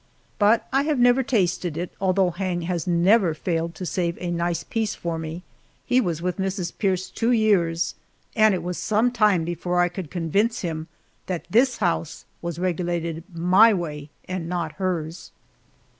But I have never tasted it, although Hang has never failed to save a nice piece for me. He was with Mrs. Pierce two years, and it was some time before I could convince him that this house was regulated my way and not hers.